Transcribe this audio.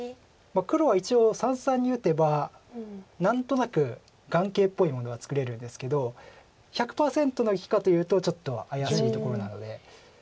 黒は一応三々に打てば何となく眼形っぽいものが作れるんですけど１００％の生きかというとちょっと怪しいところなので。